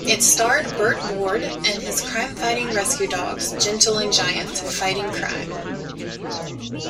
It starred Burt Ward and his crimefighting rescue dogs Gentle and Giant fighting crime.